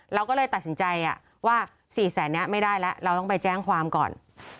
เราก็เลยตัดสินใจว่า๔แสนนี้ไม่ได้แล้วเราต้องไปแจ้งความก่อน